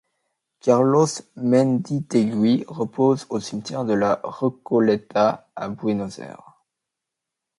Carlos Menditéguy repose au cimetière de la Recoleta à Buenos Aires.